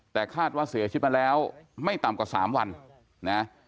แต่คาดว่าเสียชีวิตมาแล้วไม่ต่ำกว่า๓วันนะ